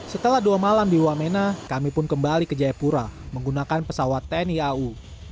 setelah dua malam di wamena kami pun kembali ke jayapura menggunakan pesawat tni au